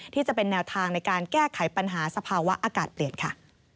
ที่จะเป็นแนวทางในการแก้ไขปัญหาสภาวะอากาศเปลี่ยนค่ะ